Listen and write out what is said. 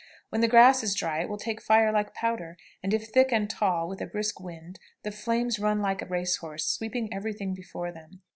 When the grass is dry it will take fire like powder, and if thick and tall, with a brisk wind, the flames run like a race horse, sweeping every thing before them.